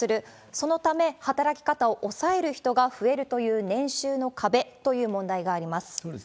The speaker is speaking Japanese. そのため、働き方を抑える人が増えるという年収の壁という問題があります。